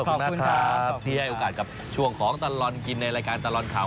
ขอบคุณครับที่ให้โอกาสกับช่วงของตลอดกินในรายการตลอดข่าว